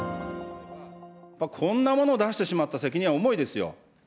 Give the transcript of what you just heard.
こんなもの出してしまった責任は重いですよ。